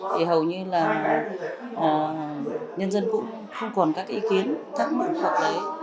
thì hầu như là nhân dân cũng không còn các ý kiến thắc mắc hoặc đấy